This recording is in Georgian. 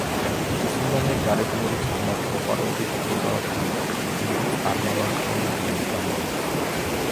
სიმონე გარეგნული სტუმართმოყვარეობით ხვდება გვიდოს, რომელიც არ მალავს, რომ ბიანკა მოეწონა.